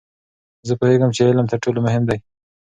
زه پوهیږم چې علم تر ټولو مهم دی.